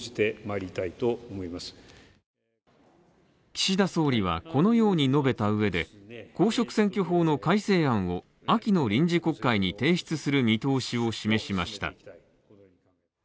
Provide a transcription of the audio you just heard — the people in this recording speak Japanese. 岸田総理はこのように述べたうえで公職選挙法の改正案を秋の臨時国会に提出する見通しを示しました。